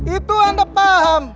itu anda paham